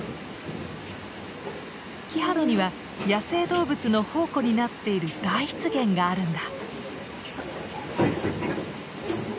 キハロには野生動物の宝庫になっている大湿原があるんだ。